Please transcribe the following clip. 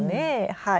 はい。